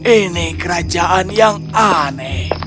ini kerajaan yang aneh